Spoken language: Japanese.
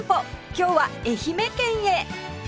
今日は愛媛県へ